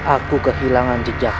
aku kehilangan jejak